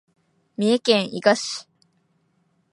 三重県伊賀市